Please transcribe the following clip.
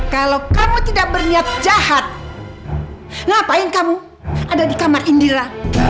kalau kamu tidak berniat jahat ngapain kamu ada di kamar indira